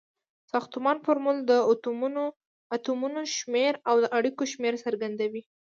ساختمانی فورمول د اتومونو شمیر او د اړیکو شمیر څرګندوي.